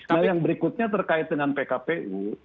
nah yang berikutnya terkait dengan pkpu